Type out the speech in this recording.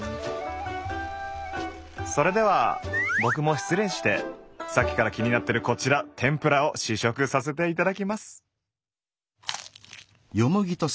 それでは僕も失礼してさっきから気になってるこちら天ぷらを試食させていただきます！